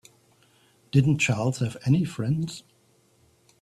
Didn't Charles have any friends?